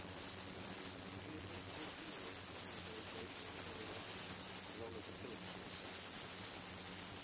He attended her funeral several days later in early August along with the Phillipses.